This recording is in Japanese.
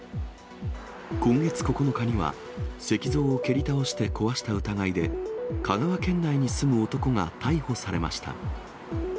今月９日には、石像を蹴り倒して壊した疑いで、香川県内に住む男が逮捕されました。